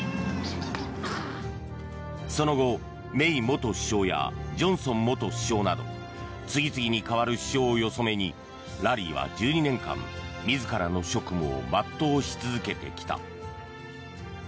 その後、メイ元首相やジョンソン元首相など次々に代わる首相をよそ目にラリーは１２年間自らの職務を全うし続けてきた。